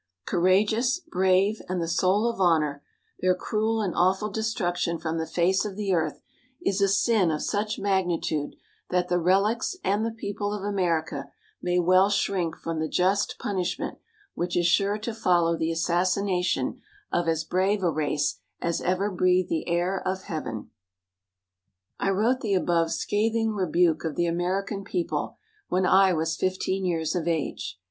Courageous, brave and the soul of honor, their cruel and awful destruction from the face of the earth is a sin of such magnitude that the relics and the people of America may well shrink from the just punishment which is sure to follow the assassination of as brave a race as ever breathed the air of Heaven. [Illustration: AT FIFTEEN.] I wrote the above scathing rebuke of the American people when I was 15 years of age.